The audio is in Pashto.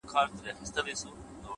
د زده کړې سفر هېڅ پای نه لري.!